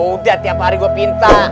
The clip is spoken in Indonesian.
udah tiap hari gua pinta